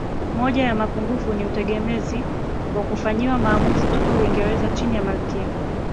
Moja ya mapungufu ni utegemezi wa kufanyiwa maamuzi toka Uingereza chini ya Malkia